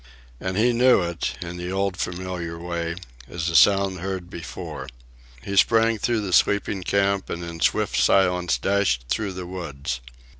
And he knew it, in the old familiar way, as a sound heard before. He sprang through the sleeping camp and in swift silence dashed through the woods.